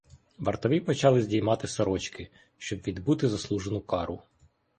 Вартові почали здіймати сорочки, щоб відбути заслужену кару.